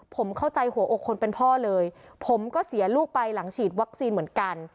ผมเข้าใจหัวอกคนเป็นพ่อเลยผมก็เสียลูกไปหลังฉีดวัคซีนเหมือนกัน